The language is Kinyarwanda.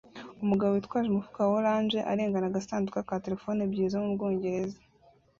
Umugabo witwaje umufuka wa orange arengana agasanduku ka terefone ebyiri zo mu Bwongereza